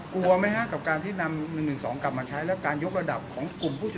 กลัวไหมฮะกับการที่นำ๑๑๒กลับมาใช้แล้วการยกระดับของกลุ่มผู้ชม